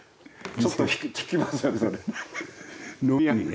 ちょっと引きますよね